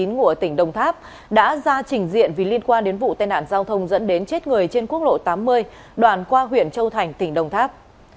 ngủ ở tỉnh đồng tháp đã ra trình diện vì liên quan đến vụ tên nạn giao thông dẫn đến chết người trên quốc lộ tám mươi đoàn qua huyện châu thành tỉnh đồng tháp